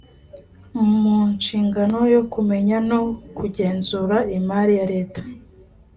mu nshingano yo kumenya no kugenzura imari ya leta